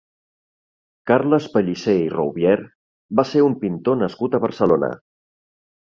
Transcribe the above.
Carles Pellicer i Rouviere va ser un pintor nascut a Barcelona.